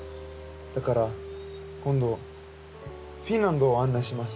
だから今度フィンランド案内します。